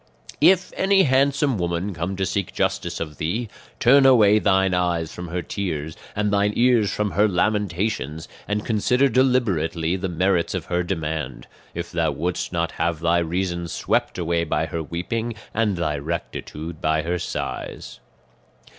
"If any handsome woman come to seek justice of thee, turn away thine eyes from her tears and thine ears from her lamentations, and consider deliberately the merits of her demand, if thou wouldst not have thy reason swept away by her weeping, and thy rectitude by her sighs.